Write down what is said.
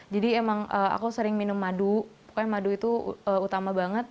emang aku sering minum madu pokoknya madu itu utama banget